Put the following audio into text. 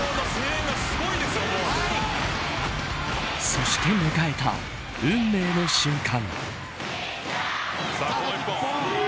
そして迎えた運命の瞬間。